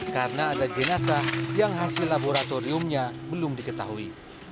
karena ada jenazah yang hasil laboratoriumnya belum diketahui